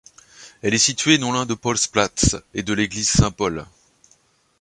Elle est située non loin de la Paulsplatz et de l'Église Saint-Paul.